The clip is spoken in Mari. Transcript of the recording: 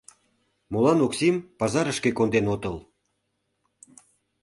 — Молан Оксим пазарышке конден отыл?